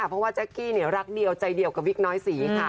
เพราะว่าแจ๊กกี้รักเดียวใจเดียวกับวิกน้อยศรีค่ะ